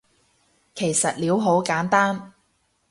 其實撩好簡單